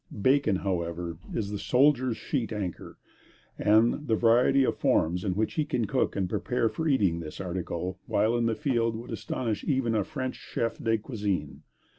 Bacon, however, is the soldier's sheet anchor; and, the variety of forms in which he can cook and prepare for eating this article, while in the field, would astonish even a French chef de cuisine.